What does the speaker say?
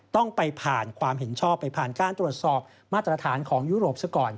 ต้องไปผ่านความเห็นชอบไปผ่านการตรวจสอบมาตรฐานของยุโรปซะก่อน